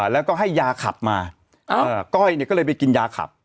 แล้วก็ให้ยาขับมาก้อยก็เลยไปกินยาขับ